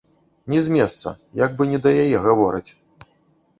Ні з месца, як бы не да яе гавораць.